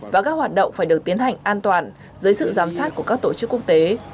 và các hoạt động phải được tiến hành an toàn dưới sự giám sát của các tổ chức quốc tế